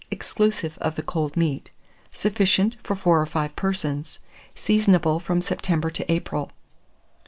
exclusive of the cold meat. Sufficient for 4 or 5 persons. Seasonable from September to April.